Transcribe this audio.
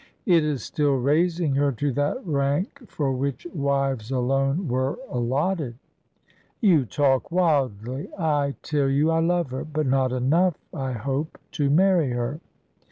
"It is still raising her to that rank for which wives alone were allotted." "You talk wildly! I tell you I love her; but not enough, I hope, to marry her."